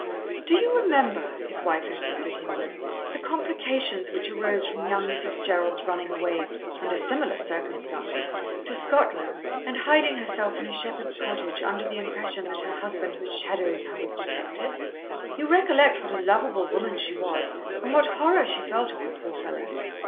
"Do you remember," his wife assisted him with, "the complications which arose from young Mrs. Jerrold's running away, under similar circumstances, to Scotland and hiding herself in a shepherd's cottage under the impression that her husband was shadowing her with detectives? You recollect what a lovable woman she was, and what horror she felt of the poor fellow."